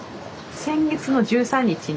先月の１３日に。